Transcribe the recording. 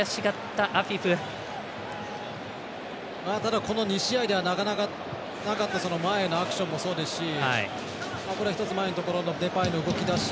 ただ、この２試合ではなかなかなかった前へのアクションもそうですしこれは一つ前のところのデパイの動き出し。